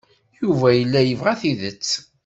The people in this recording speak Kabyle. Yuba yella yebɣa tidet.